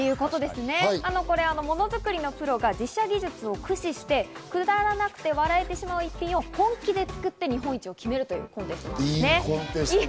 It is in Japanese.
ものづくりのプロがくだらなくて笑えてしまう一品を本気で作って日本一を決めるというコンテストなんです。